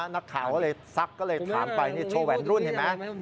นักข่าวก็เลยซักก็เลยถามไปโชว์แหวนรุ่นเห็นไหม